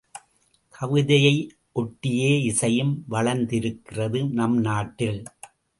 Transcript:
கவிதையை ஒட்டியே இசையும் வளர்ந்திருக்கிறது நம் நாட்டில்.